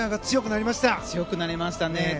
強くなりましたね。